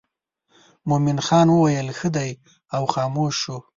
مومن خان ویل ښه دی او خاموش شو.